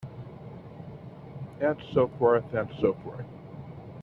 And so forth and so forth.